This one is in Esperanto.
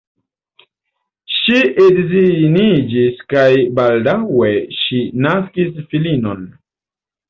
Ŝi edziniĝis kaj baldaŭe ŝi naskis filinon.